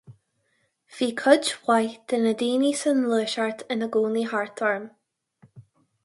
Bhí cuid mhaith de na daoine sa nGluaiseacht ina gcónaí thart orm.